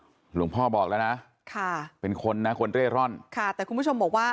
หลวงพ่อบอกแล้วนะค่ะเป็นคนนะคนเร่ร่อนค่ะแต่คุณผู้ชมบอกว่า